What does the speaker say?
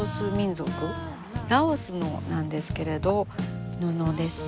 ラオスのなんですけれど布ですね。